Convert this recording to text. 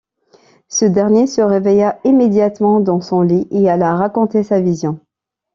Ce dernier se réveilla immédiatement dans son lit, et alla raconter sa vision.